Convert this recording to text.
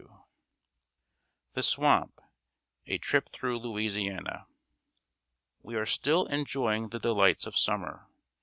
[Sidenote: THE SWAMP A TRIP THROUGH LOUISIANA.] We are still enjoying the delights of summer.